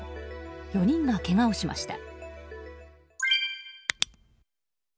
４人がけがをしました。